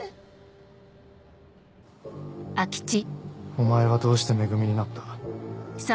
お前はどうして「め組」になった？